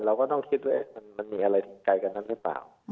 เราก็ต้องคิดว่ามันมีอะไรถึงไกลกว่านั้นหรือเปล่า